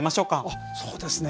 あっそうですね。